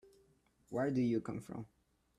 Where do you come from?